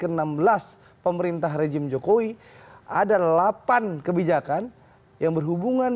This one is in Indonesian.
bagaimana kebijakan paket ke enam belas pemerintah rejim jokowi ada delapan kebijakan yang berhubungan